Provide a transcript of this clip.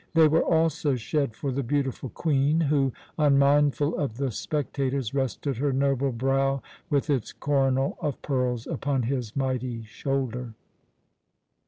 They were also shed for the beautiful Queen who, unmindful of the spectators, rested her noble brow, with its coronal of pearls, upon his mighty shoulder.